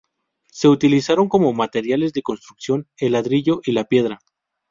Se utilizaron como materiales de construcción el ladrillo y la piedra.